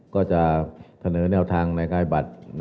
ก็จะเสนอแนวทางในการบัตร